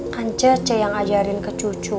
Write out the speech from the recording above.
kan ce yang ajarin ke cucu